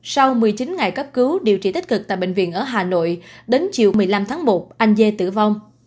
sau một mươi chín ngày cấp cứu điều trị tích cực tại bệnh viện ở hà nội đến chiều một mươi năm tháng một anh dê tử vong